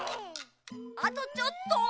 あとちょっと。